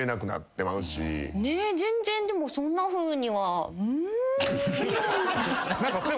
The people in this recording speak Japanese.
ねっ全然でもそんなふうにはん？